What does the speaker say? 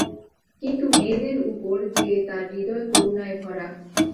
কিন্তু মেয়েদের উপর যে তাঁর হৃদয় করুণায় ভরা।